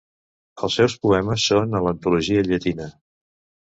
Els seus poemes són a l'antologia llatina.